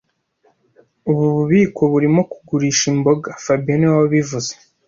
Ubu bubiko burimo kugurisha imboga fabien niwe wabivuze